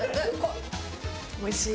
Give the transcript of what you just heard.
おいしい。